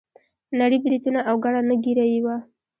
نري بریتونه او ګڼه نه ږیره یې وه.